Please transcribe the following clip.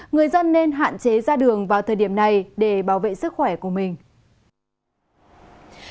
người dân nên hạn chế ra đường vào thời điểm này để bảo vệ sức khỏe của mình